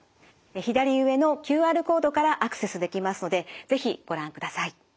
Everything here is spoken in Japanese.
左上のＱＲコードからアクセスできますので是非ご覧ください。